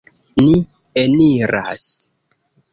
Ni eniras.